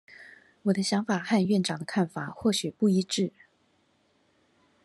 我的想法和院長的看法或許不一致